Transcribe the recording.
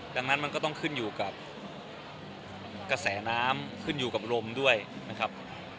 ดังนั้นมันก็ต้องขึ้นอยู่กับกระแสน้ำขึ้นอยู่กับลมด้วยนะครับ